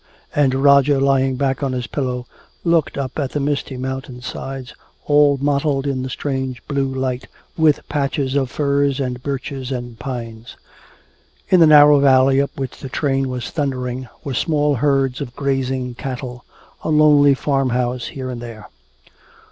And Roger, lying back on his pillow, looked up at the misty mountain sides all mottled in the strange blue light with patches of firs and birches and pines. In the narrow valley up which the train was thundering, were small herds of grazing cattle, a lonely farmhouse here and there.